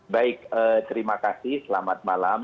baik terima kasih selamat malam